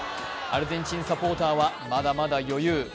アルゼンチンサポーターはまだまだ余裕。